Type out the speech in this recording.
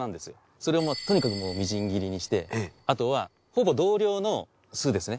それをもうとにかくみじん切りにしてあとはほぼ同量の酢ですね。